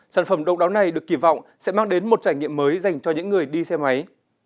sản phẩm độc đáo này được kỳ vọng sẽ mang đến một trải nghiệm mới dành cho những người đi xe máy